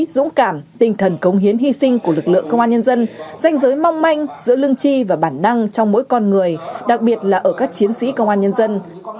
dũng cảm tinh thần cống hiến hy sinh của lực lượng công an nhân dân danh giới mong manh giữa lương chi và bản năng trong mỗi con người đặc biệt là ở các chiến sĩ công an nhân dân